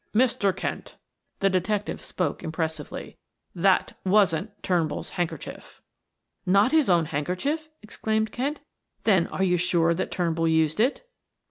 "Mr. Kent," the detective spoke impressively, "that wasn't Turnbull's handkerchief." "Not his own handkerchief!" exclaimed Kent. "Then, are you sure that Turnbull used it?"